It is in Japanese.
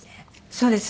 そうです。